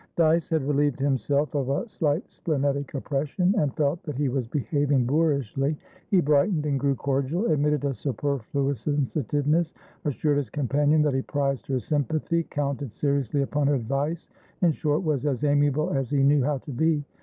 Dyce had relieved himself of a slight splenetic oppression, and felt that he was behaving boorishly. He brightened and grew cordial, admitted a superfluous sensitiveness, assured his companion that he prized her sympathy, counted seriously upon her advice; in short, was as amiable as he knew how to be.